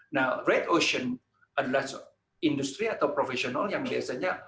nah rate ocean adalah industri atau profesional yang biasanya